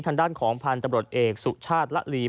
ทางด้านของพันธุ์ตำรวจเอกสุชาติละลี